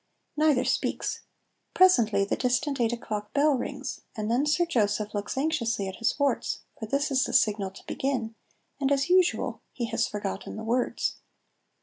Neither speaks. Presently the distant eight o'clock bell rings, and then Sir Joseph looks anxiously at his warts, for this is the signal to begin, and as usual he has forgotten the words.